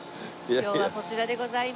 今日はこちらでございます。